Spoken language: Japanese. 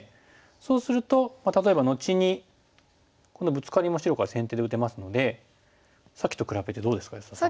そうすると例えば後にこのブツカリも白から先手で打てますのでさっきと比べてどうですか安田さん。